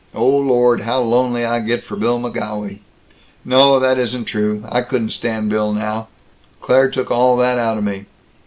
Oh Lord, how lonely I get for Bill McGolwey. No. That isn't true. I couldn't stand Bill now. Claire took all that out of me.